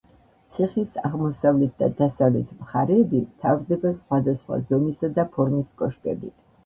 ციხის აღმოსავლეთ და დასავლეთ მხარეები მთავრდება სხვადასხვა ზომისა და ფორმის კოშკებით.